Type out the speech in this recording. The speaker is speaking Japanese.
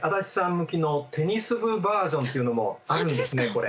向きのテニス部バージョンっていうのもあるんですねこれ。